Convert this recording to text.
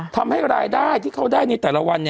ทำให้รายได้ที่เขาได้ในแต่ละวัน